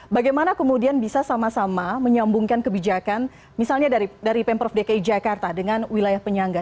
bagaimana kemudian bisa sama sama menyambungkan kebijakan misalnya dari pemprov dki jakarta dengan wilayah penyangga